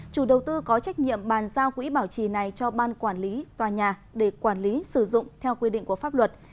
chủ đầu tư có trách nhiệm bàn giao quỹ bảo trì này cho ban quản lý tòa nhà để quản lý sử dụng theo quy định của pháp luật